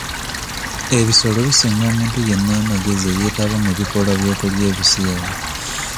Ebisolo bisinga omuntu yenna amagezi eyeetaba mu bikolwa by'okulya ebisiyaga.